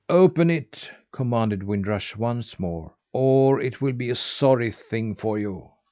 "Open it!" commanded Wind Rush once more, "or it will be a sorry thing for you."